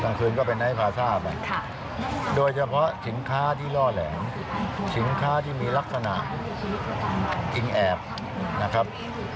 คืนก็เป็นไนท์พาซ่าไปโดยเฉพาะสินค้าที่ล่อแหลมสินค้าที่มีลักษณะกินแอบนะครับ